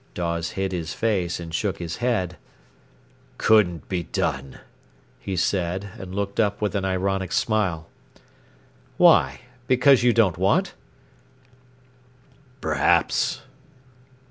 Dawes hid his face and shook his head. "Couldn't be done," he said, and looked up with an ironic smile. "Why? Because you don't want?" "Perhaps."